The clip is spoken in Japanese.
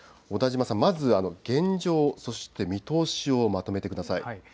小田島さん、まず現状、見通しをまとめてください。